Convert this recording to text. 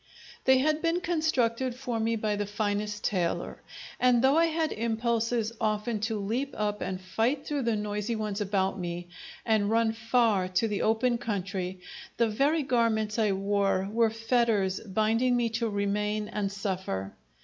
They had been constructed for me by the finest tailor; and though I had impulses, often, to leap up and fight through the noisy ones about me and run far to the open country, the very garments I wore were fetters binding me to remain and suffer.